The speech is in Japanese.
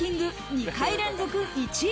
２回連続１位。